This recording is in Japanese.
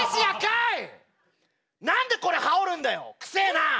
何でこれ羽織るんだよ臭えな！